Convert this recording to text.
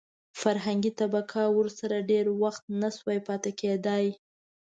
فرهنګي طبقه ورسره ډېر وخت نشي پاتې کېدای.